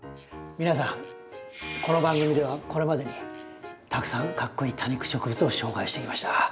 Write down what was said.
皆さんこの番組ではこれまでにたくさんかっこイイ多肉植物を紹介してきました。